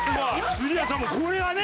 杉谷さんもこれはね